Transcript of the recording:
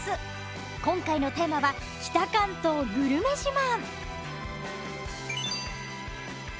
今回のテーマは「北関東グルメ自慢」。